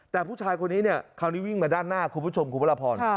แต่ผู้ชายคนนี้เนี่ยคราวนี้วิ่งมาด้านหน้าคุณผู้ชมคุณพระราพร